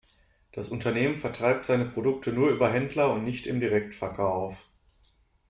Das Unternehmen vertreibt seine Produkte nur über Händler und nicht im Direktverkauf.